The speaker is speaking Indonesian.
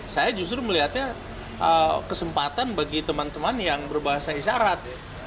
saya justru melihatnya kesempatan bagi teman teman yang berbahasa isyarat